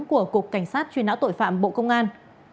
của cục cảnh sát truy nã tội phạm bộ công an